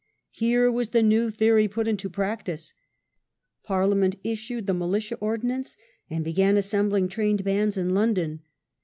Here was the new theory put into practice. Parliament issued the Militia ordinance, and began assembling trained bands in London.